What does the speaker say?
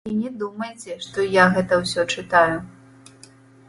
І не думайце, што я гэта ўсё чытаю.